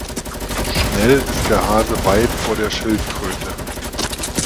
Schnell ist der Hase weit vor der Schildkröte.